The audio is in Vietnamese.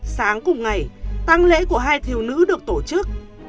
sáng cùng ngày tăng lễ của hai thiêu nữ được tổ chức